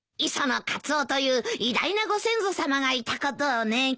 磯野カツオという偉大なご先祖さまがいたことをね。